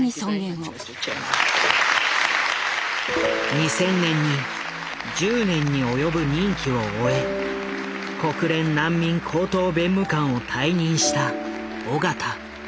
２０００年に１０年に及ぶ任期を終え国連難民高等弁務官を退任した緒方。